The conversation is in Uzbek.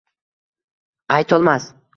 Aytolmas